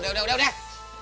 udah udah udah